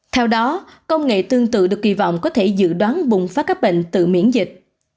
theo đó công nghệ tương tự được kỳ vọng có thể dự đoán bùng phát các bệnh từ miễn dịch